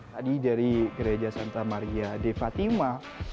tadi dari gereja santa maria de fatima